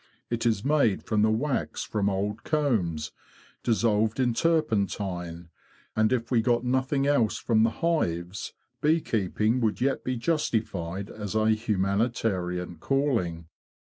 It is made of the wax from old combs, dissolved in turpentine, and if we got nothing else from the hives bee keeping would yet be justified as a humanitarian calling.